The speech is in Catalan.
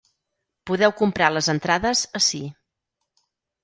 Podeu comprar les entrades ací.